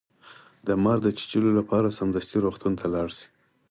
د مار د چیچلو لپاره سمدستي روغتون ته لاړ شئ